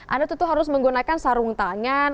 anda tentu harus menggunakan sarung tangan